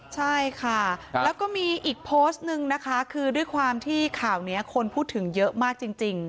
ใช่ค่ะแล้วก็มีอีกโพสต์หนึ่งนะคะคือด้วยความที่ข่าวนี้คนพูดถึงเยอะมากจริง